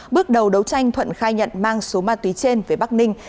bước đầu đấu tranh thuận khai nhận mang số ma túy trên về bắc ninh